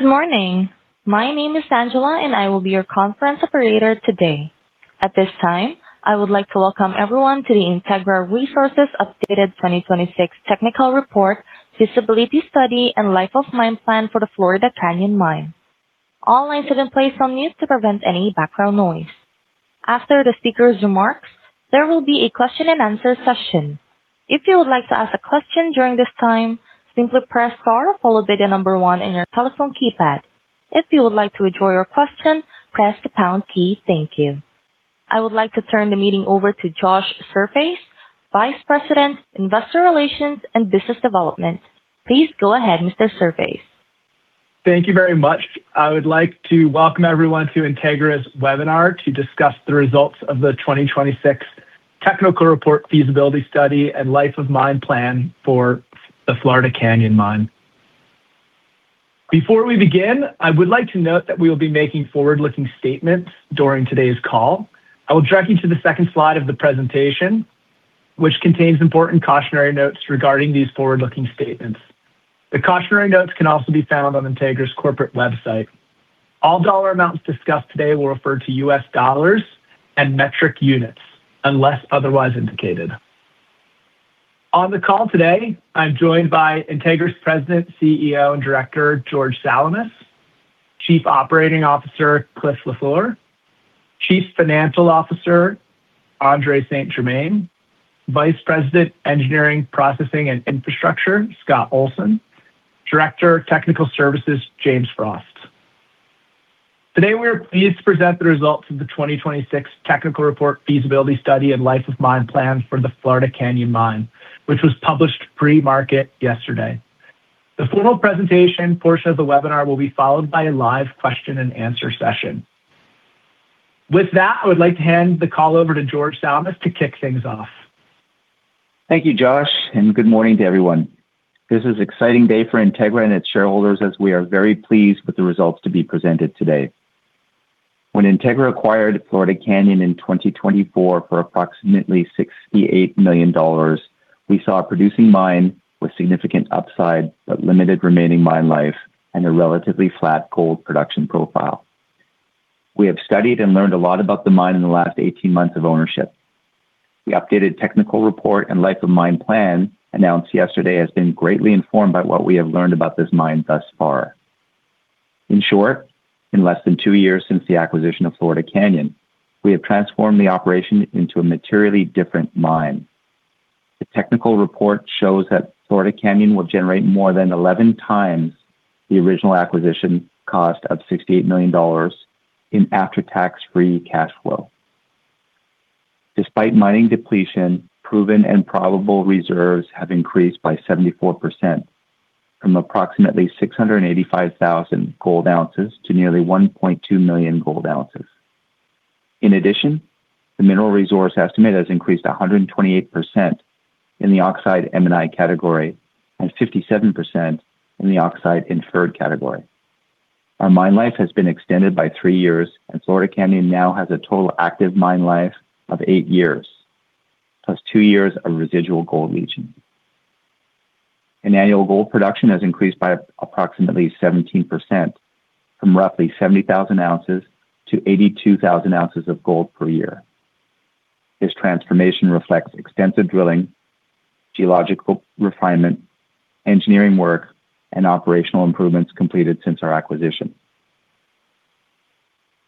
Good morning. My name is Angela, and I will be your conference operator today. At this time, I would like to welcome everyone to the Integra Resources Updated 2026 Technical Report, Feasibility Study, and Life of Mine Plan for the Florida Canyon Mine. All lines have been placed on mute to prevent any background noise. After the speaker's remarks, there will be a question and answer session. If you would like to ask a question during this time, simply press star followed by the number one on your telephone keypad. If you would like to withdraw your question, press the pound key. Thank you. I would like to turn the meeting over to Josh Serfass, Vice President, Investor Relations and Business Development. Please go ahead, Mr. Serfass. Thank you very much. I would like to welcome everyone to Integra's webinar to discuss the results of the 2026 Technical Report, Feasibility Study, and Life of Mine Plan for the Florida Canyon Mine. Before we begin, I would like to note that we will be making forward-looking statements during today's call. I will direct you to the second slide of the presentation, which contains important cautionary notes regarding these forward-looking statements. The cautionary notes can also be found on Integra's corporate website. All dollar amounts discussed today will refer to U.S. dollars and metric units, unless otherwise indicated. On the call today, I am joined by Integra's President, CEO, and Director, George Salamis, Chief Operating Officer, Cliff Lafleur, Chief Financial Officer, Andrée St-Germain, Vice President, Engineering, Processing and Infrastructure, Scott Olsen, Director of Technical Services, James Frost. Today, we are pleased to present the results of the 2026 Technical Report, Feasibility Study, and Life of Mine Plan for the Florida Canyon Mine, which was published pre-market yesterday. The formal presentation portion of the webinar will be followed by a live question and answer session. With that, I would like to hand the call over to George Salamis to kick things off. Thank you, Josh. Good morning to everyone. This is an exciting day for Integra and its shareholders as we are very pleased with the results to be presented today. When Integra acquired Florida Canyon in 2024 for approximately $68 million, we saw a producing mine with significant upside, but limited remaining mine life and a relatively flat gold production profile. We have studied and learned a lot about the mine in the last 18 months of ownership. The updated technical report and life of mine plan announced yesterday has been greatly informed by what we have learned about this mine thus far. In short, in less than two years since the acquisition of Florida Canyon, we have transformed the operation into a materially different mine. The technical report shows that Florida Canyon will generate more than 11 times the original acquisition cost of $68 million in after-tax free cash flow. Despite mining depletion, proven and probable reserves have increased by 74%, from approximately 685,000 gold ounces to nearly 1.2 million gold ounces. In addition, the mineral resource estimate has increased 128% in the oxide M&I category and 57% in the oxide inferred category. Our mine life has been extended by three years and Florida Canyon now has a total active mine life of eight years, plus two years of residual gold leaching. Annual gold production has increased by approximately 17%, from roughly 70,000 ounces to 82,000 ounces of gold per year. This transformation reflects extensive drilling, geological refinement, engineering work, and operational improvements completed since our acquisition.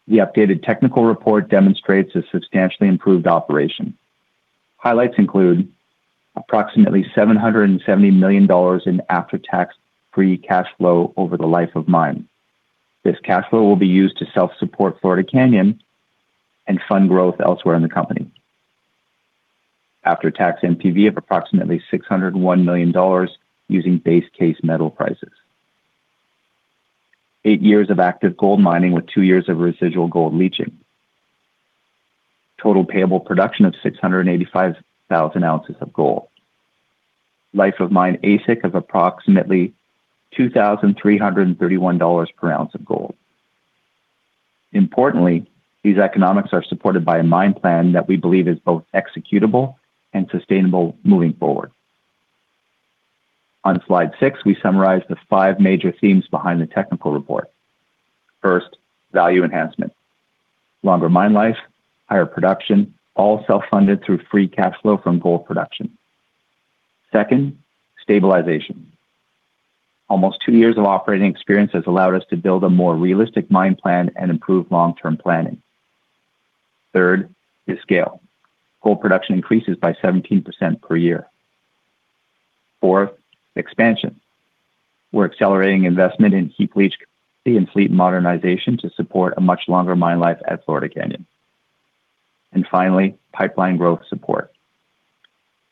The updated technical report demonstrates a substantially improved operation. Highlights include approximately $770 million in after-tax free cash flow over the life of mine. This cash flow will be used to self-support Florida Canyon and fund growth elsewhere in the company. After-tax NPV of approximately $601 million using base case metal prices. Eight years of active gold mining with two years of residual gold leaching. Total payable production of 685,000 ounces of gold. Life of mine AISC of approximately $2,331 per ounce of gold. Importantly, these economics are supported by a mine plan that we believe is both executable and sustainable moving forward. On slide six, we summarize the five major themes behind the technical report. First, value enhancement. Longer mine life, higher production, all self-funded through free cash flow from gold production. Second, stabilization. Almost two years of operating experience has allowed us to build a more realistic mine plan and improve long-term planning. Third is scale. Gold production increases by 17% per year. Fourth, expansion. We're accelerating investment in heap leach capacity and fleet modernization to support a much longer mine life at Florida Canyon. Finally, pipeline growth support.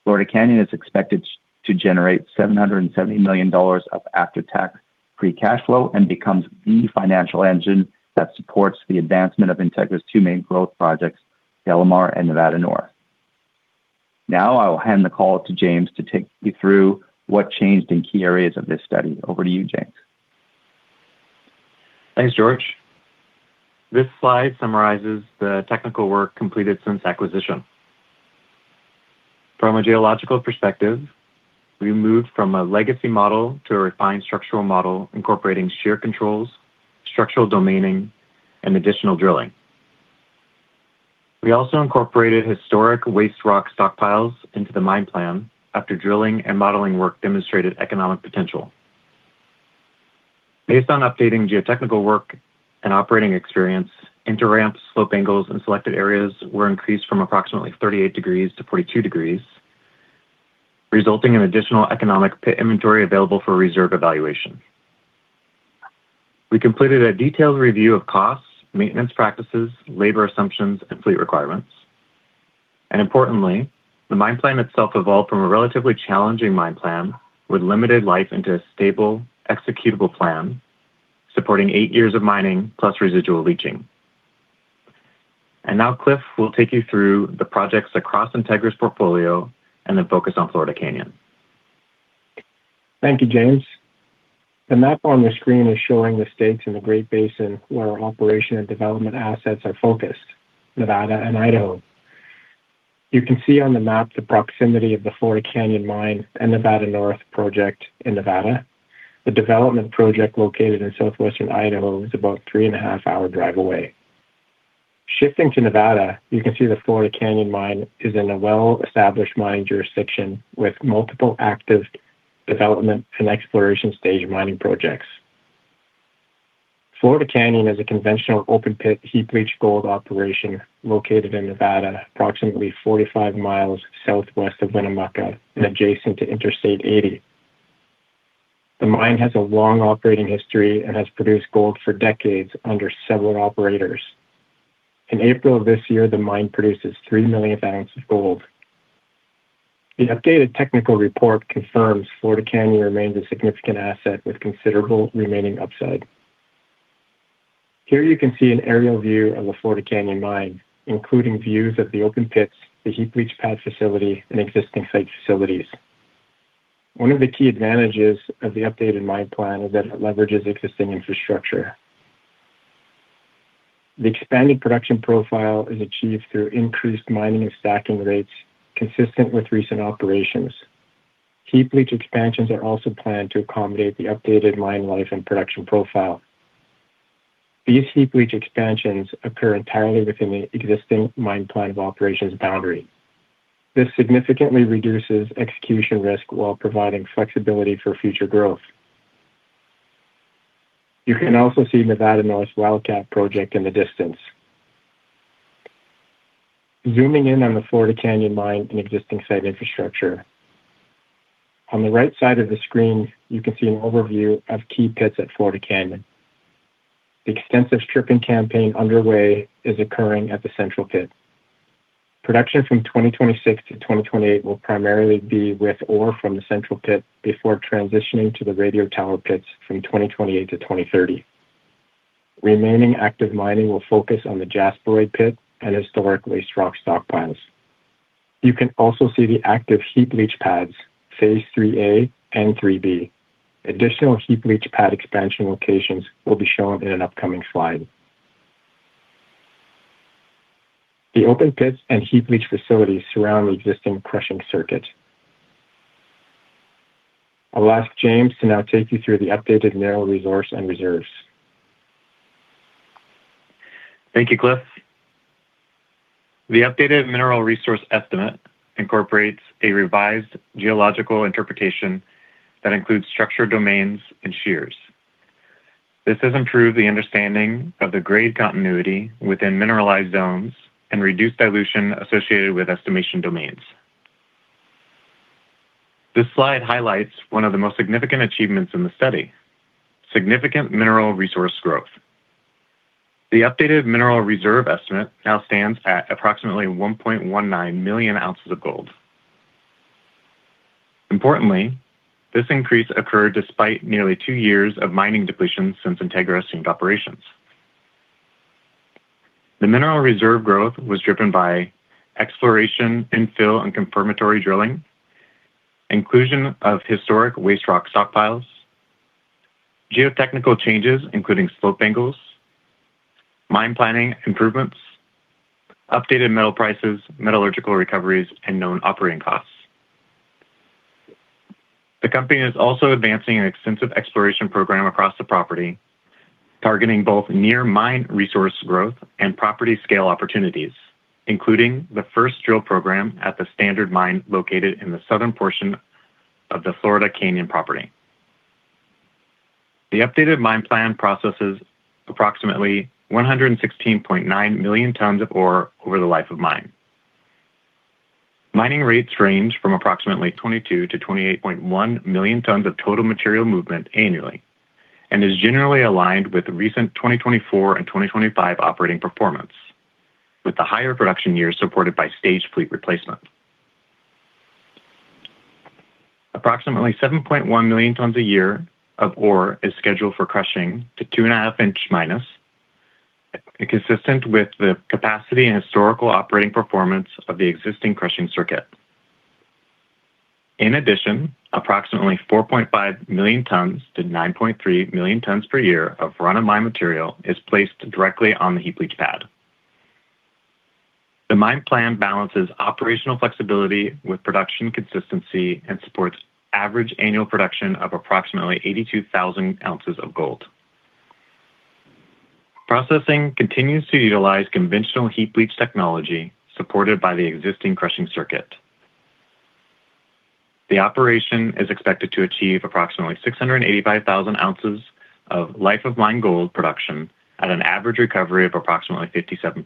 Florida Canyon is expected to generate $770 million of after-tax free cash flow and becomes the financial engine that supports the advancement of Integra's two main growth projects, DeLamar and Nevada North. Now, I will hand the call to James to take you through what changed in key areas of this study. Over to you, James. Thanks, George. This slide summarizes the technical work completed since acquisition. From a geological perspective, we moved from a legacy model to a refined structural model incorporating shear controls, structural domaining, and additional drilling. We also incorporated historic waste rock stockpiles into the mine plan after drilling and modeling work demonstrated economic potential. Based on updating geotechnical work and operating experience into ramps, slope angles in selected areas were increased from approximately 38 degrees to 42 degrees, resulting in additional economic pit inventory available for reserve evaluation. We completed a detailed review of costs, maintenance practices, labor assumptions, and fleet requirements. Importantly, the mine plan itself evolved from a relatively challenging mine plan with limited life into a stable, executable plan supporting eight years of mining plus residual leaching. Now Cliff will take you through the projects across Integra's portfolio and the focus on Florida Canyon. Thank you, James. The map on the screen is showing the states in the Great Basin where our operation and development assets are focused, Nevada and Idaho. You can see on the map the proximity of the Florida Canyon Mine and Nevada North Project in Nevada. The development project located in southwestern Idaho is about a three-and-a-half-hour drive away. Shifting to Nevada, you can see the Florida Canyon Mine is in a well-established mining jurisdiction with multiple active development and exploration stage mining projects. Florida Canyon is a conventional open pit heap leach gold operation located in Nevada, approximately 45 miles southwest of Winnemucca and adjacent to Interstate 80. The mine has a long operating history and has produced gold for decades under several operators. In April of this year, the mine produces 3 million ounces of gold. The updated technical report confirms Florida Canyon remains a significant asset with considerable remaining upside. Here you can see an aerial view of the Florida Canyon Mine, including views of the open pits, the heap leach pad facility, and existing site facilities. One of the key advantages of the updated mine plan is that it leverages existing infrastructure. The expanded production profile is achieved through increased mining and stacking rates consistent with recent operations. Heap leach expansions are also planned to accommodate the updated mine life and production profile. These heap leach expansions occur entirely within the existing mine plan of operations boundary. This significantly reduces execution risk while providing flexibility for future growth. You can also see Nevada North's Wildcat project in the distance. Zooming in on the Florida Canyon Mine and existing site infrastructure. On the right side of the screen, you can see an overview of key pits at Florida Canyon. The extensive stripping campaign underway is occurring at the Central pit. Production from 2026 to 2028 will primarily be with ore from the Central pit before transitioning to the Radio Tower Pit from 2028 to 2030. Remaining active mining will focus on the Jasperoid pit and historic waste rock stockpiles. You can also see the active heap leach pads, Phase IIIa and Phase IIIb. Additional heap leach pad expansion locations will be shown in an upcoming slide. The open pits and heap leach facilities surround the existing crushing circuit. I'll ask James to now take you through the updated mineral resource and reserves. Thank you, Cliff. The updated mineral resource estimate incorporates a revised geological interpretation that includes structure domains and shears. This has improved the understanding of the grade continuity within mineralized zones and reduced dilution associated with estimation domains. This slide highlights one of the most significant achievements in the study, significant mineral resource growth. The updated mineral reserve estimate now stands at approximately 1.19 million ounces of gold. Importantly, this increase occurred despite nearly two years of mining depletion since Integra assumed operations. The mineral reserve growth was driven by exploration, infill, and confirmatory drilling, inclusion of historic waste rock stockpiles, geotechnical changes, including slope angles, mine planning improvements, updated metal prices, metallurgical recoveries, and known operating costs. The company is also advancing an extensive exploration program across the property, targeting both near mine resource growth and property scale opportunities, including the first drill program at the Standard Mine located in the southern portion of the Florida Canyon property. The updated mine plan processes approximately 116.9 million tonnes of ore over the life of mine. Mining rates range from approximately 22-28.1 million tonnes of total material movement annually and is generally aligned with the recent 2024 and 2025 operating performance, with the higher production years supported by staged fleet replacement. Approximately 7.1 million tonnes a year of ore is scheduled for crushing to two and a half inch minus, consistent with the capacity and historical operating performance of the existing crushing circuit. Approximately 4.5 million tonnes-9.3 million tonnes per year of run of mine material is placed directly on the heap leach pad. The mine plan balances operational flexibility with production consistency and supports average annual production of approximately 82,000 ounces of gold. Processing continues to utilize conventional heap leach technology supported by the existing crushing circuit. The operation is expected to achieve approximately 685,000 ounces of life of mine gold production at an average recovery of approximately 57%.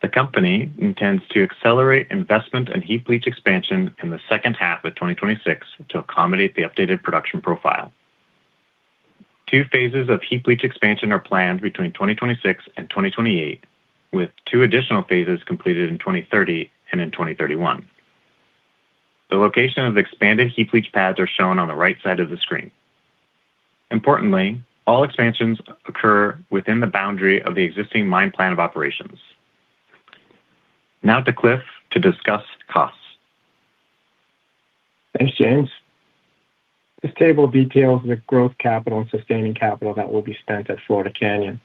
The company intends to accelerate investment and heap leach expansion in the second half of 2026 to accommodate the updated production profile. Two phases of heap leach expansion are planned between 2026 and 2028, with two additional phases completed in 2030 and in 2031. The location of expanded heap leach pads are shown on the right side of the screen. Importantly, all expansions occur within the boundary of the existing mine plan of operations. Now to Cliff to discuss costs. Thanks, James. This table details the growth capital and sustaining capital that will be spent at Florida Canyon.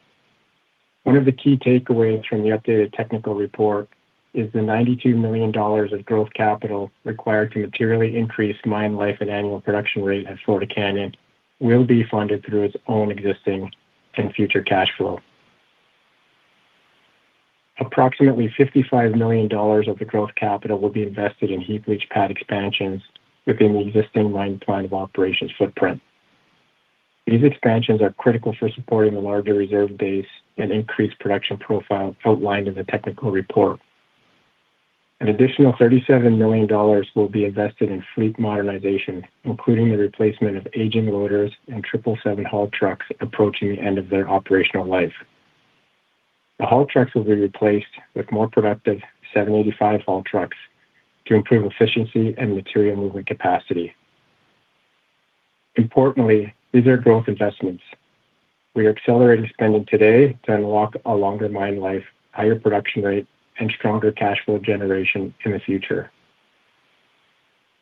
One of the key takeaways from the updated technical report is the $92 million of growth capital required to materially increase mine life and annual production rate at Florida Canyon will be funded through its own existing and future cash flow. Approximately $55 million of the growth capital will be invested in heap leach pad expansions within the existing mine plan of operations footprint. These expansions are critical for supporting the larger reserve base and increased production profile outlined in the technical report. An additional $37 million will be invested in fleet modernization, including the replacement of aging loaders and 777 haul trucks approaching the end of their operational life. The haul trucks will be replaced with more productive 785 haul trucks to improve efficiency and material movement capacity. Importantly, these are growth investments. We are accelerating spending today to unlock a longer mine life, higher production rate, and stronger cash flow generation in the future.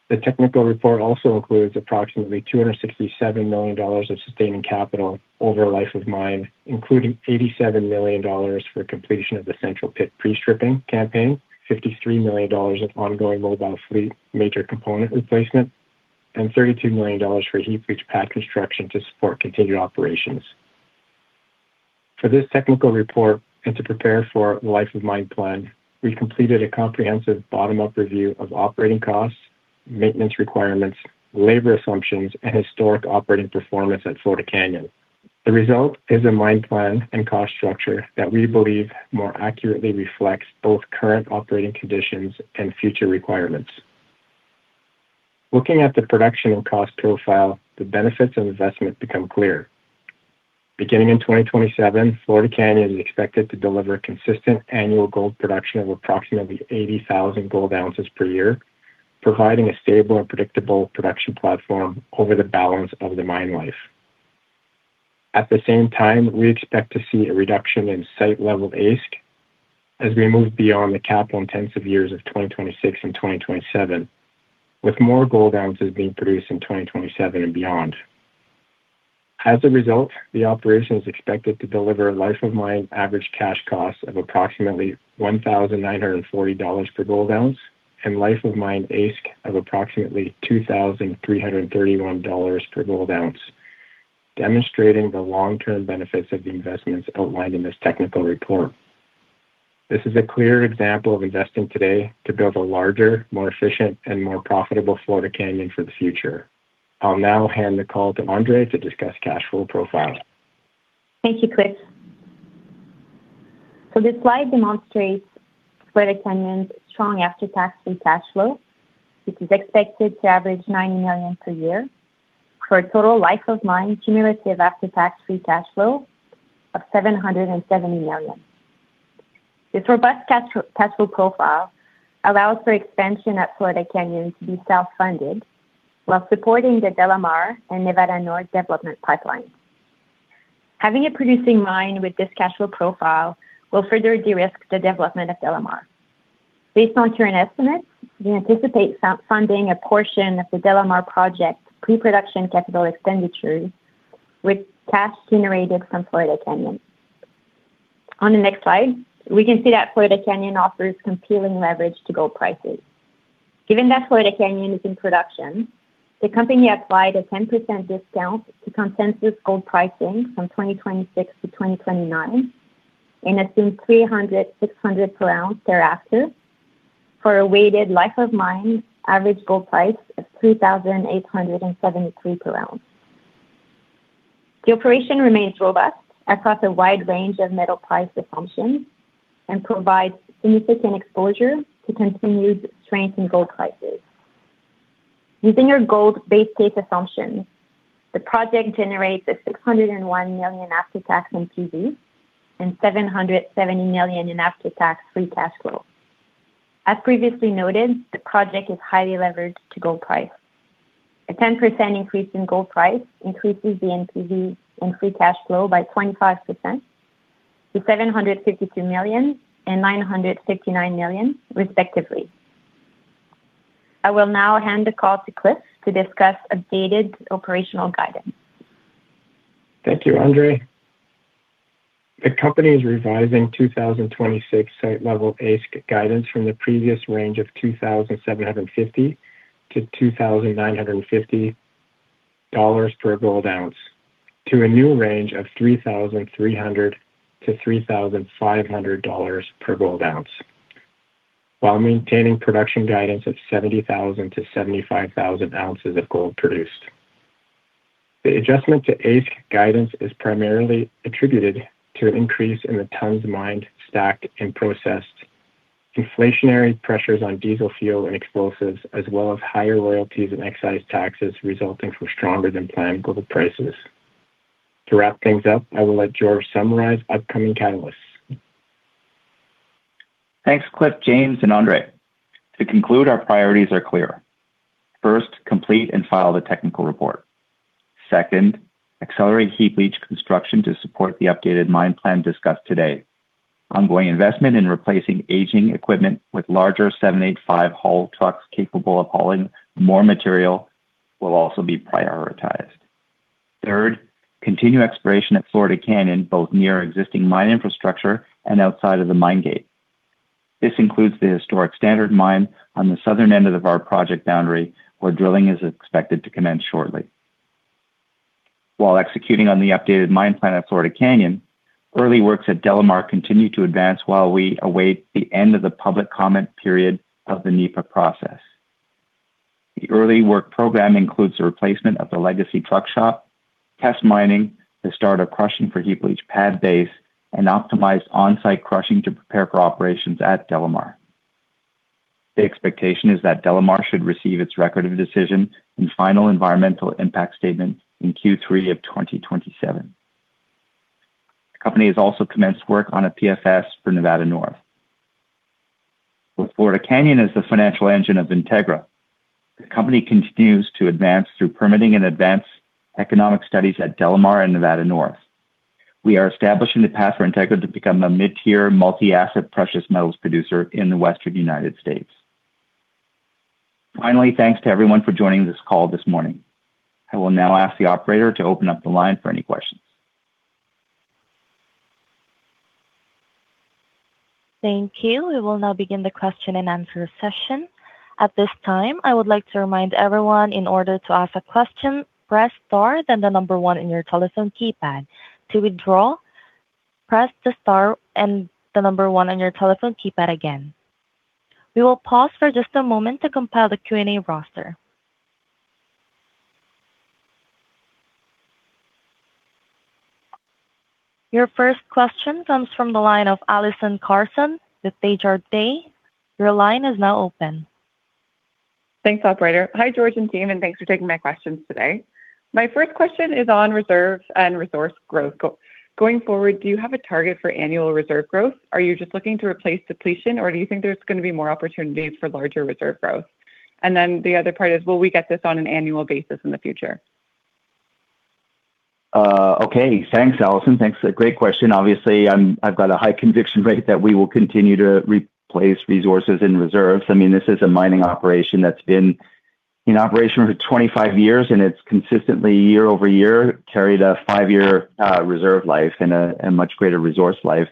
The technical report also includes approximately $267 million of sustaining capital over life of mine, including $87 million for completion of the central pit pre-stripping campaign, $53 million of ongoing mobile fleet major component replacement, and $32 million for heap leach pad construction to support continued operations. For this technical report and to prepare for life of mine plan, we completed a comprehensive bottom-up review of operating costs, maintenance requirements, labor assumptions, and historic operating performance at Florida Canyon. The result is a mine plan and cost structure that we believe more accurately reflects both current operating conditions and future requirements. Looking at the production and cost profile, the benefits of investment become clear. Beginning in 2027, Florida Canyon is expected to deliver consistent annual gold production of approximately 80,000 gold ounces per year, providing a stable and predictable production platform over the balance of the mine life. At the same time, we expect to see a reduction in site level AISC as we move beyond the capital-intensive years of 2026 and 2027, with more gold ounces being produced in 2027 and beyond. The operation is expected to deliver life of mine average cash costs of approximately $1,940 per gold ounce and life of mine AISC of approximately $2,331 per gold ounce. Demonstrating the long-term benefits of the investments outlined in this technical report. This is a clear example of investing today to build a larger, more efficient, and more profitable Florida Canyon for the future. I'll now hand the call to Andrée to discuss cash flow profile. Thank you, Cliff. This slide demonstrates Florida Canyon's strong after-tax free cash flow, which is expected to average $90 million per year for a total life of mine cumulative after-tax free cash flow of $770 million. This robust cash flow profile allows for expansion at Florida Canyon to be self-funded while supporting the DeLamar and Nevada North development pipeline. Having a producing mine with this cash flow profile will further de-risk the development of DeLamar. Based on current estimates, we anticipate funding a portion of the DeLamar project pre-production capital expenditure with cash generated from Florida Canyon. On the next slide, we can see that Florida Canyon offers compelling leverage to gold prices. Given that Florida Canyon is in production, the company applied a 10% discount to consensus gold pricing from 2026 to 2029 and assumed $3,600 per ounce thereafter for a weighted life of mine average gold price of $3,873 per ounce. The operation remains robust across a wide range of metal price assumptions and provides significant exposure to continued strength in gold prices. Using our gold base case assumption, the project generates a $601 million after-tax NPV and $770 million in after-tax free cash flow. As previously noted, the project is highly leveraged to gold price. A 10% increase in gold price increases the NPV and free cash flow by 25% to $752 million and $959 million respectively. I will now hand the call to Cliff to discuss updated operational guidance. Thank you, Andrée. The company is revising 2026 site level AISC guidance from the previous range of $2,750-$2,950 per gold ounce to a new range of $3,300-$3,500 per gold ounce, while maintaining production guidance of 70,000-75,000 ounces of gold produced. The adjustment to AISC guidance is primarily attributed to an increase in the tonnes mined, stacked, and processed, inflationary pressures on diesel fuel and explosives, as well as higher royalties and excise taxes resulting from stronger than planned gold prices. To wrap things up, I will let George summarize upcoming catalysts. Thanks, Cliff, James, and Andrée. To conclude, our priorities are clear. First, complete and file the technical report. Second, accelerate heap leach construction to support the updated mine plan discussed today. Ongoing investment in replacing aging equipment with larger 785 haul trucks capable of hauling more material will also be prioritized. Third, continue exploration at Florida Canyon, both near existing mine infrastructure and outside of the mine gate. This includes the historic Standard mine on the southern end of our project boundary, where drilling is expected to commence shortly. While executing on the updated mine plan at Florida Canyon, early works at DeLamar continue to advance while we await the end of the public comment period of the NEPA process. The early work program includes the replacement of the legacy truck shop, test mining to start a crushing for heap leach pad base, and optimize on-site crushing to prepare for operations at DeLamar. The expectation is that DeLamar should receive its Record of Decision and final environmental impact statement in Q3 of 2027. The company has also commenced work on a PFS for Nevada North. With Florida Canyon as the financial engine of Integra, the company continues to advance through permitting and advance economic studies at DeLamar and Nevada North. We are establishing the path for Integra to become a mid-tier multi-asset precious metals producer in the Western United States. Finally, thanks to everyone for joining this call this morning. I will now ask the operator to open up the line for any questions. Thank you. We will now begin the question and answer session. At this time, I would like to remind everyone in order to ask a question, press star then the number one on your telephone keypad. To withdraw, press the star and the number one on your telephone keypad again. We will pause for just a moment to compile the Q&A roster. Your first question comes from the line of Allison Carson with Desjardins. Your line is now open. Thanks, operator. Hi, George and team, thanks for taking my questions today. My first question is on reserves and resource growth. Going forward, do you have a target for annual reserve growth? Are you just looking to replace depletion, or do you think there's going to be more opportunities for larger reserve growth? The other part is, will we get this on an annual basis in the future? Okay. Thanks, Allison. Thanks. Great question. Obviously, I've got a high conviction rate that we will continue to replace resources and reserves. This is a mining operation that's been in operation for 25 years, and it's consistently year-over-year carried a five-year reserve life and a much greater resource life.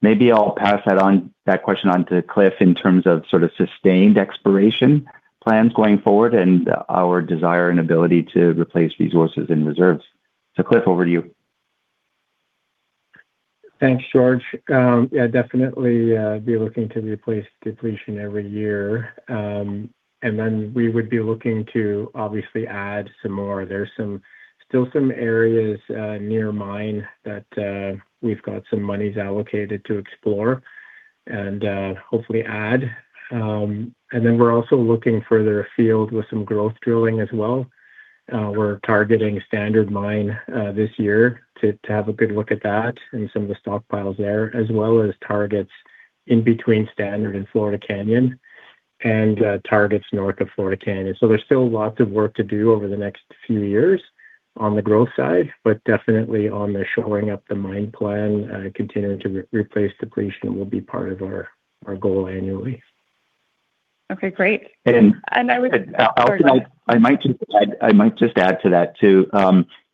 Maybe I'll pass that question on to Cliff in terms of sustained exploration plans going forward and our desire and ability to replace resources and reserves. Cliff, over to you. Thanks, George. Definitely, be looking to replace depletion every year. We would be looking to obviously add some more. There's still some areas near mine that we've got some monies allocated to explore and hopefully add. We're also looking further afield with some growth drilling as well. We're targeting Standard mine this year to have a good look at that and some of the stockpiles there, as well as targets in between Standard and Florida Canyon and targets north of Florida Canyon. There's still lots of work to do over the next few years on the growth side, but definitely on the shoring up the mine plan, continuing to replace depletion will be part of our goal annually. Okay, great. Allison, I might just add to that too.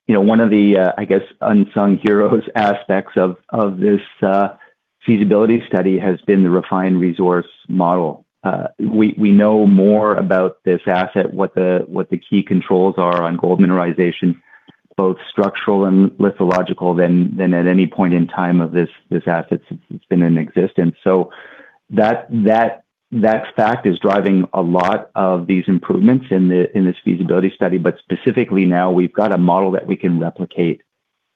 One of the, I guess, unsung heroes aspects of this feasibility study has been the refined resource model. We know more about this asset, what the key controls are on gold mineralization, both structural and lithological than at any point in time of this asset's been in existence. That fact is driving a lot of these improvements in this feasibility study. Specifically now, we've got a model that we can replicate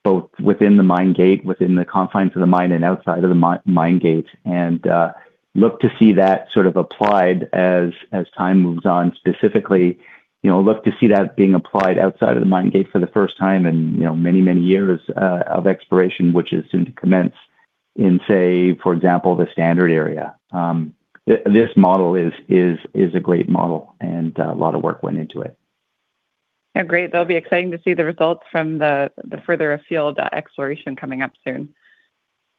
both within the mine gate, within the confines of the mine, and outside of the mine gate. Look to see that applied as time moves on. Specifically, look to see that being applied outside of the mine gate for the first time in many, many years of exploration, which is soon to commence in say, for example, the Standard area. This model is a great model. A lot of work went into it. Oh, great. That'll be exciting to see the results from the further afield exploration coming up soon.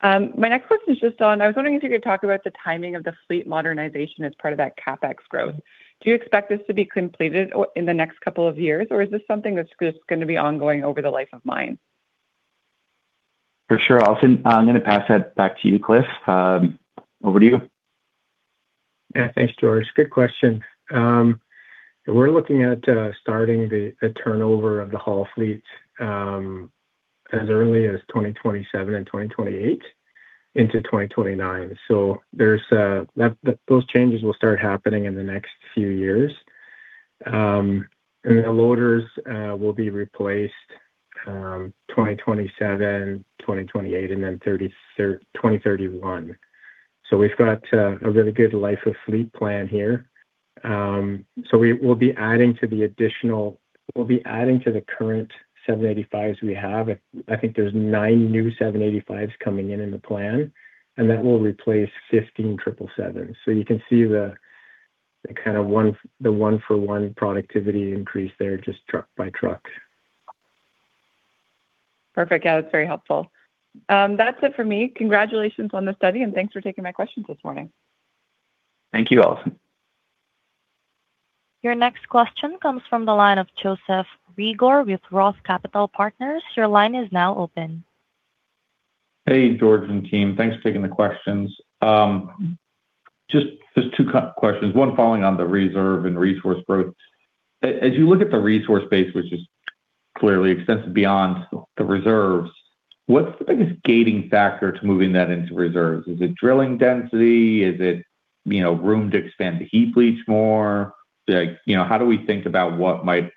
My next question is just on, I was wondering if you could talk about the timing of the fleet modernization as part of that CapEx growth. Do you expect this to be completed in the next couple of years, or is this something that's just going to be ongoing over the life of mine? For sure, Allison. I'm going to pass that back to you, Cliff. Over to you. Yeah, thanks, George. Good question. We're looking at starting the turnover of the haul fleet as early as 2027 and 2028 into 2029. Those changes will start happening in the next few years. The loaders will be replaced 2027, 2028, and then 2031. We've got a really good life of fleet plan here. We'll be adding to the current 785s we have. I think there's nine new 785s coming in in the plan, and that will replace 15 triple sevens. You can see the one for one productivity increase there, just truck by truck. Perfect. Yeah, that's very helpful. That's it for me. Congratulations on the study. Thanks for taking my questions this morning. Thank you, Allison. Your next question comes from the line of Joseph Reagor with ROTH Capital Partners. Your line is now open. Hey, George and team. Thanks for taking the questions. Just two questions. One following on the reserve and resource growth. As you look at the resource base, which is clearly extensive beyond the reserves, what's the biggest gating factor to moving that into reserves? Is it drilling density? Is it room to expand the heap leach more? How do we think about what might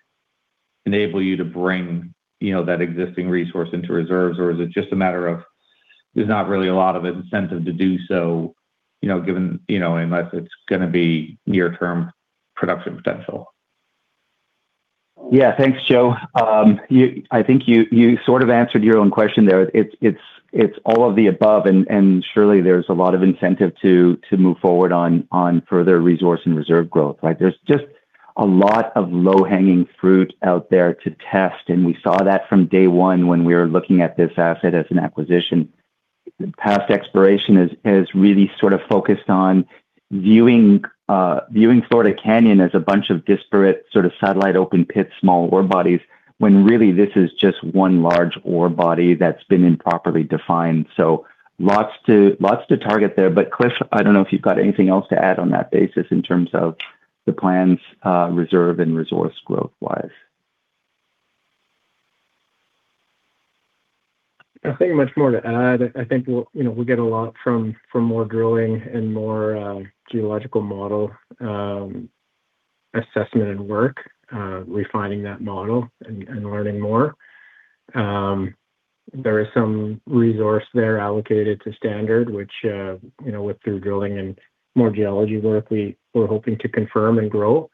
enable you to bring that existing resource into reserves, or is it just a matter of there's not really a lot of incentive to do so, unless it's going to be near-term production potential? Yeah. Thanks, Joe. I think you sort of answered your own question there. It's all of the above, and surely there's a lot of incentive to move forward on further resource and reserve growth, right? There's just a lot of low-hanging fruit out there to test, and we saw that from day one when we were looking at this asset as an acquisition. Past exploration has really sort of focused on viewing Florida Canyon as a bunch of disparate sort of satellite open pit small ore bodies, when really this is just one large ore body that's been improperly defined. Lots to target there. Cliff, I don't know if you've got anything else to add on that basis in terms of the plans, reserve and resource growth wise. Nothing much more to add. I think we'll get a lot from more drilling and more geological model assessment and work, refining that model and learning more. There is some resource there allocated to Standard, which with through drilling and more geology work, we're hoping to confirm and grow.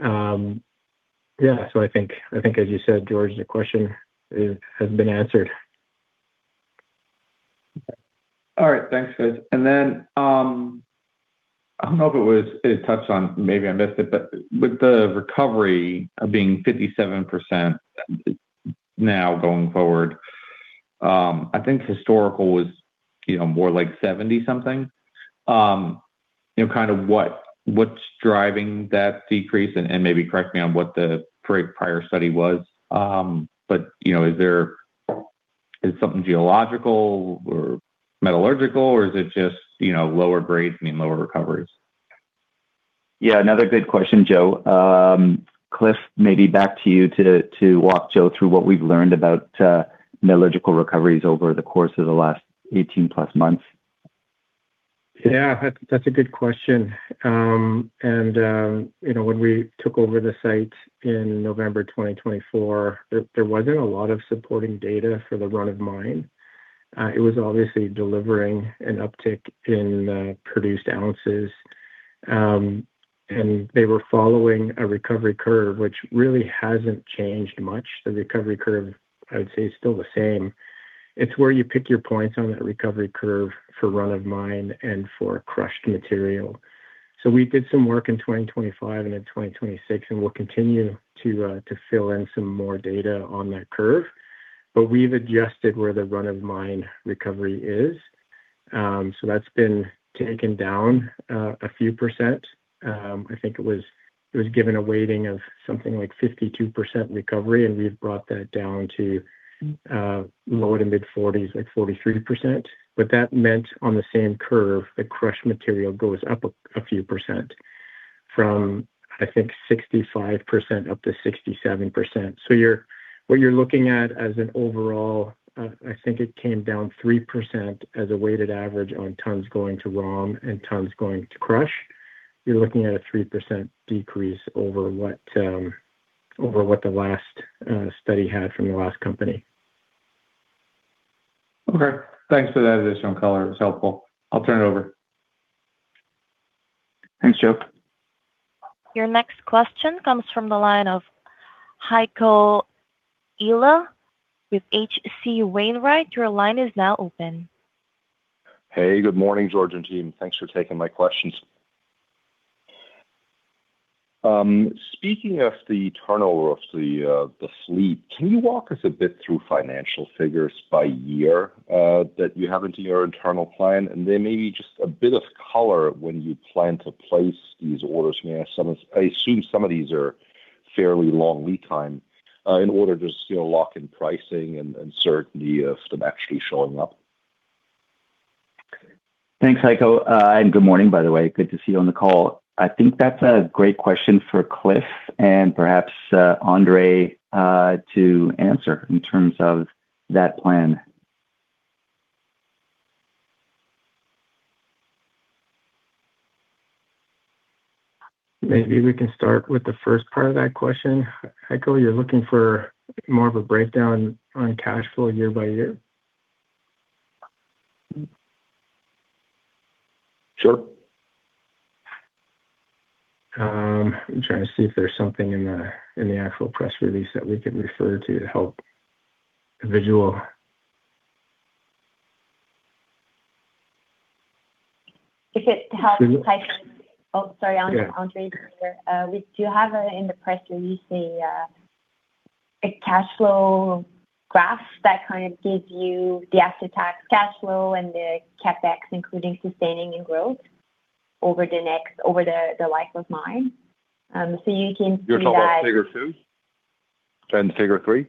Yeah. I think as you said, George, the question has been answered. Then, I don't know if it was touched on, maybe I missed it, but with the recovery of being 57% now going forward, I think historical was more like 70-something. What's driving that decrease, and maybe correct me on what the prior study was, but is it something geological or metallurgical, or is it just lower grades mean lower recoveries? Yeah, another good question, Joe. Cliff, maybe back to you to walk Joe through what we've learned about metallurgical recoveries over the course of the last 18 plus months. Yeah, that's a good question. When we took over the site in November 2024, there wasn't a lot of supporting data for the run of mine. It was obviously delivering an uptick in produced ounces. They were following a recovery curve, which really hasn't changed much. The recovery curve, I would say, is still the same. It's where you pick your points on that recovery curve for run of mine and for crushed material. We did some work in 2025 and in 2026, and we'll continue to fill in some more data on that curve. We've adjusted where the run of mine recovery is. That's been taken down a few percent. I think it was given a weighting of something like 52% recovery, and we've brought that down to low to mid-40s, like 43%. What that meant on the same curve, the crushed material goes up a few percent, from I think 65% up to 67%. What you're looking at as an overall, I think it came down 3% as a weighted average on tonnes going to ROM and tonnes going to crush. You're looking at a 3% decrease over what the last study had from the last company. Okay. Thanks for that additional color. It was helpful. I'll turn it over Thanks, Joe. Your next question comes from the line of Heiko Ihle with H.C. Wainwright. Your line is now open. Hey, good morning, George and team. Thanks for taking my questions. Speaking of the turnover of the fleet, can you walk us a bit through financial figures by year that you have into your internal plan? Then maybe just a bit of color when you plan to place these orders. I assume some of these are fairly long lead time in order to lock in pricing and certainty of them actually showing up. Thanks, Heiko. Good morning, by the way. Good to see you on the call. I think that's a great question for Cliff, and perhaps Andrée to answer in terms of that plan. Maybe we can start with the first part of that question. Heiko, you're looking for more of a breakdown on cash flow year by year? Sure. I'm trying to see if there's something in the actual press release that we could refer to help visualize. If it helps, Heiko. Oh, sorry, I'm Andrée. We do have in the press release a cash flow graph that gives you the asset tax cash flow and the CapEx, including sustaining and growth over the life of mine. You can see that. You're talking about figure two and figure three?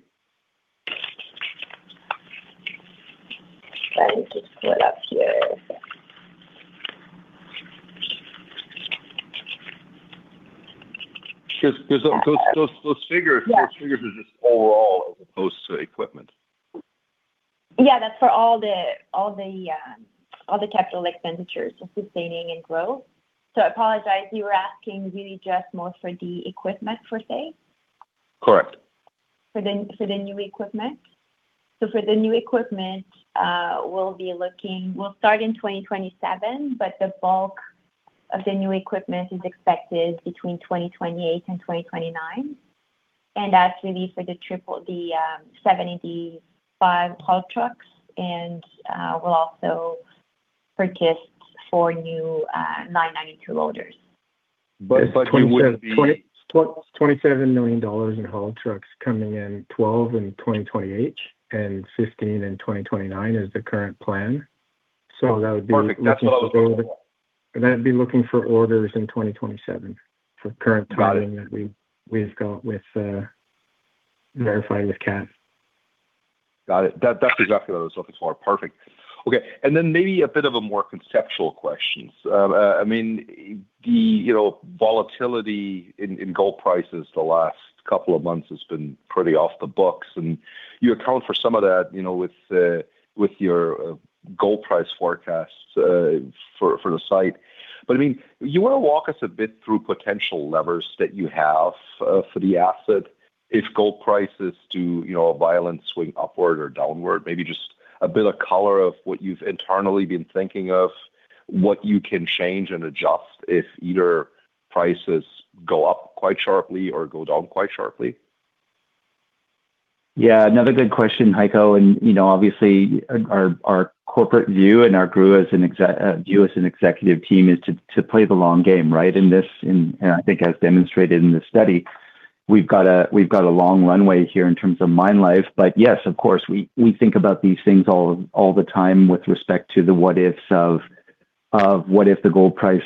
Trying to pull it up here. Because those figures are just overall as opposed to equipment. Yeah, that's for all the capital expenditures of sustaining and growth. I apologize, you were asking really just more for the equipment per se? Correct. For the new equipment? For the new equipment, we'll start in 2027, but the bulk of the new equipment is expected between 2028 and 2029. That's really for the 785 haul trucks, and we'll also purchase four new 992 loaders. $27 million in haul trucks coming in $12 million and 2028, and $15 million in 2029 is the current plan. That would be. Perfect. That's what I was looking for. That'd be looking for orders in 2027 for current timing that we've got with verifying with Caterpillar. Got it. That's exactly what I was looking for. Perfect. Okay. Then maybe a bit of a more conceptual question. The volatility in gold prices the last couple of months has been pretty off the books. You account for some of that with your gold price forecasts for the site. Do you want to walk us a bit through potential levers that you have for the asset if gold prices do a violent swing upward or downward? Maybe just a bit of color of what you've internally been thinking of, what you can change and adjust if either prices go up quite sharply or go down quite sharply. Yeah, another good question, Heiko. Obviously, our corporate view and our view as an executive team is to play the long game, right? I think as demonstrated in this study, we've got a long runway here in terms of mine life. Yes, of course, we think about these things all the time with respect to the what ifs of what if the gold price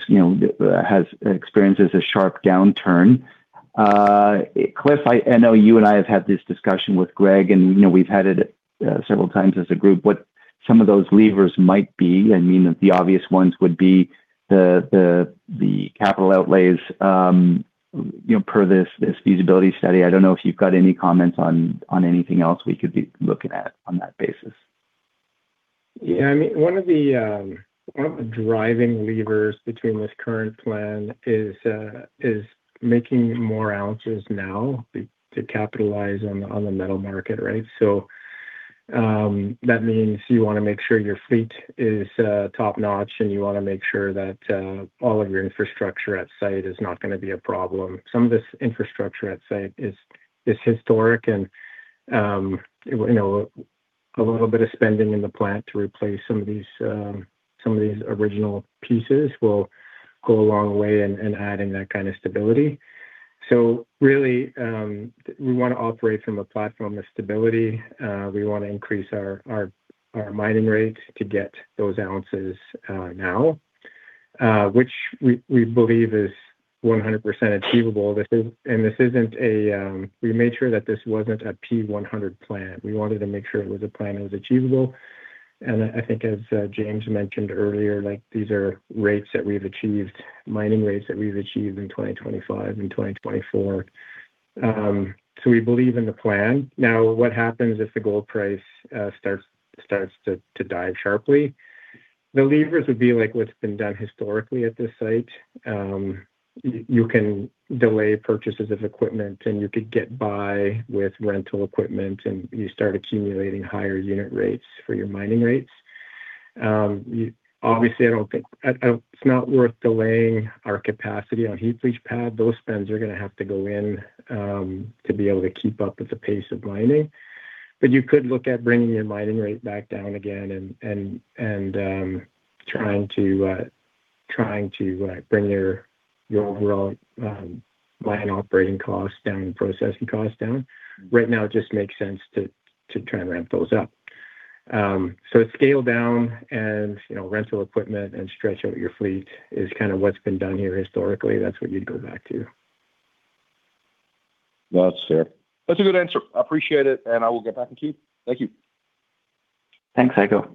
experiences a sharp downturn. Cliff, I know you and I have had this discussion with Greg, and we've had it several times as a group, what some of those levers might be. The obvious ones would be the capital outlays per this feasibility study. I don't know if you've got any comments on anything else we could be looking at on that basis. Yeah. One of the driving levers between this current plan is making more ounces now to capitalize on the metal market, right? That means you want to make sure your fleet is top-notch, and you want to make sure that all of your infrastructure at site is not going to be a problem. Some of this infrastructure at site is historic, and a little bit of spending in the plant to replace some of these original pieces will go a long way in adding that kind of stability. Really, we want to operate from a platform of stability. We want to increase our mining rates to get those ounces now, which we believe is 100% achievable. We made sure that this wasn't a P100 plan. We wanted to make sure it was a plan that was achievable. I think as James mentioned earlier, these are mining rates that we've achieved in 2025 and 2024. We believe in the plan. Now, what happens if the gold price starts to dive sharply? The levers would be like what's been done historically at this site. You can delay purchases of equipment, and you could get by with rental equipment, and you start accumulating higher unit rates for your mining rates. Obviously, it's not worth delaying our capacity on heap leach pad. Those spends are going to have to go in to be able to keep up with the pace of mining. You could look at bringing your mining rate back down again and trying to bring your overall mine operating costs down and processing costs down. Right now, it just makes sense to try and ramp those up. Scale down and rental equipment and stretch out your fleet is what's been done here historically. That's what you'd go back to. That's fair. That's a good answer. I appreciate it, and I will get back in queue. Thank you. Thanks, Heiko.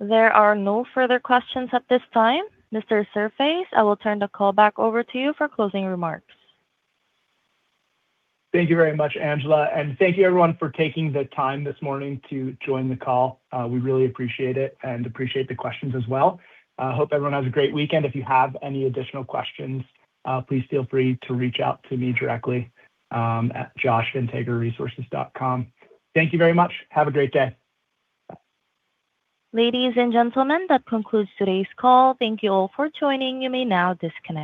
There are no further questions at this time. Mr. Serfass, I will turn the call back over to you for closing remarks. Thank you very much, Angela. Thank you, everyone, for taking the time this morning to join the call. We really appreciate it and appreciate the questions as well. Hope everyone has a great weekend. If you have any additional questions, please feel free to reach out to me directly at josh@integraresources.com. Thank you very much. Have a great day. Bye. Ladies and gentlemen, that concludes today's call. Thank you all for joining. You may now disconnect.